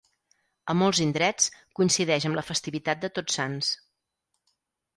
A molts indrets, coincideix amb la festivitat de Tots Sants.